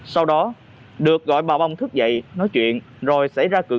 sau đó được gọi bà bông thức dậy nói chuyện rồi xảy ra cử cãi